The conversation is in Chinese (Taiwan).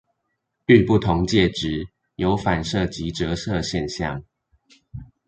遇不同介質，有反射及折射現象